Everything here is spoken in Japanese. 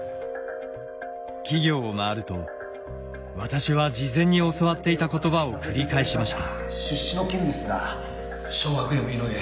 企業を回ると私は事前に教わっていた言葉を繰り返しました。